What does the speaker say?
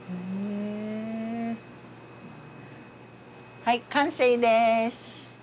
はい完成です。